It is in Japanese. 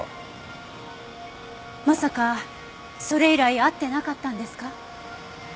まさかそれ以来会ってなかったんですか？